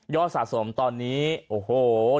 สะสมตอนนี้โอ้โห